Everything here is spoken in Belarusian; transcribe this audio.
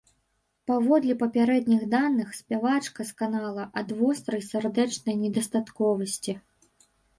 Паводле папярэдніх даных, спявачка сканала ад вострай сардэчнай недастатковасці.